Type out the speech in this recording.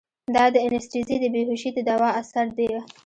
دا د انستيزي د بېهوشي د دوا اثر ديه.